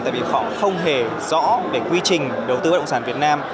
tại vì họ không hề rõ bất động sản việt nam